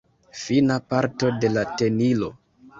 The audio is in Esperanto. Fina parto de la tenilo.